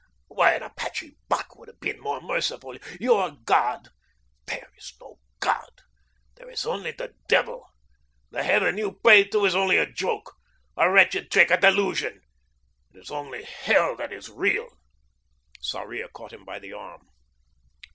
Why, an Apache buck would have been more merciful. Your God! There is no God. There is only the Devil. The Heaven you pray to is only a joke, a wretched trick, a delusion. It is only Hell that is real." Sarria caught him by the arm.